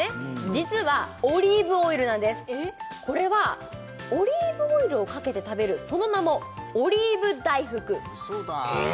実はオリーブオイルなんですこれはオリーブオイルをかけて食べるその名もオリーブ大福うそだえ！？